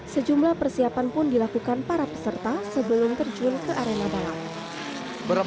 sejumlah persiapan pun dilakukan para peserta sebelum terjun ke arena balap beberapa